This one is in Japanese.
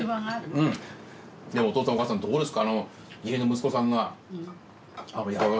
お父さんお母さんどうですか？